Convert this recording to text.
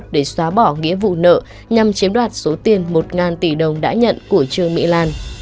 để xóa bỏ nghĩa vụ nợ nhằm chiếm đoạt số tiền một tỷ đồng đã nhận của trương mỹ lan